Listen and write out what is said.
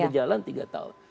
udah jalan tiga tahun